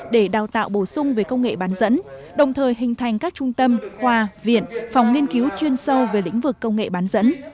để đào tạo bổ sung về công nghệ bán dẫn đồng thời hình thành các trung tâm khoa viện phòng nghiên cứu chuyên sâu về lĩnh vực công nghệ bán dẫn